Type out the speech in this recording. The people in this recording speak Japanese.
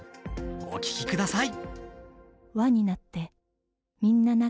お聴きください。